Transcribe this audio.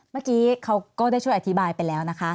เมื่อกี้เขาก็ได้ช่วยอธิบายไปแล้วนะคะ